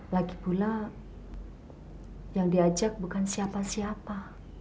lagipula yang diajak bukan siapa siapa